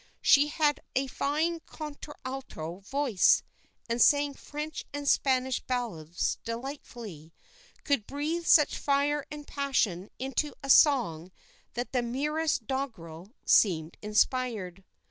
She had a fine contralto voice, and sang French and Spanish ballads delightfully, could breathe such fire and passion into a song that the merest doggerel seemed inspired.